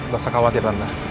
gak usah khawatir tante